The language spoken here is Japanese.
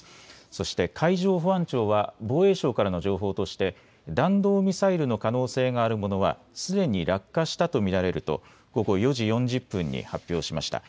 そして海上保安庁は防衛省からの情報として弾道ミサイルの可能性があるものはすでに落下したと見られると午後４時４０分に発表しました。